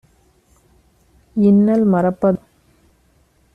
இன்னல் மறப்ப துண்டோ?"